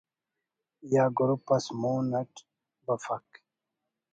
یا گروپ اس مون اٹ بفک